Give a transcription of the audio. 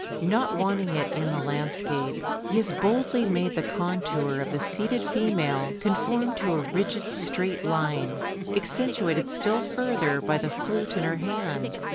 Not wanting it in the landscape, he has boldly made the contour of the seated female conform to a rigid straight line, accentuated still further by the flute in her hand.